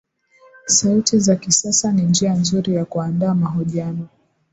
sauti za kisasa ni njia nzuri ya kuandaa mahojiano